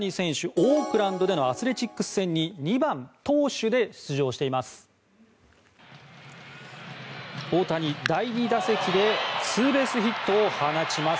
オークランドでのアスレチックス戦で２番投手で出場しています。